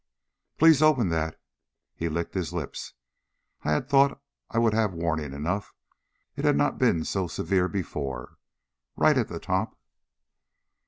"Please open that." He licked his lips. "I I had thought I would have warning enough. It has not been so severe before. Right at the top...."